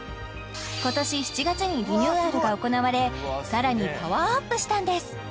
今年７月にリニューアルが行われさらにパワーアップしたんです